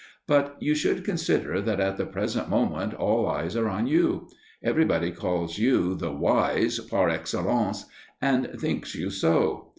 But you should consider that at the present moment all eyes are on you. Everybody calls you "the wise" par excellence, and thinks you so.